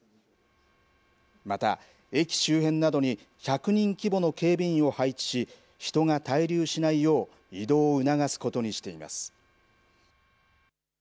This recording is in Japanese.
また、駅周辺などに１００人規模の警備員を配置し人が滞留しないよう移動を促すことにしています。